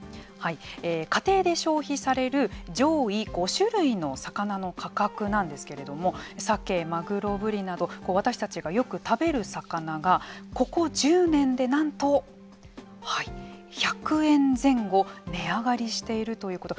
家庭で消費される上位５種類の魚の価格なんですけれどもさけ、まぐろ、ぶりなど私たちがよく食べる魚がここ１０年でなんと１００円前後値上がりしているということ。